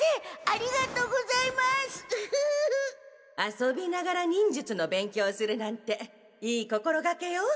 遊びながら忍術の勉強をするなんていい心がけよ。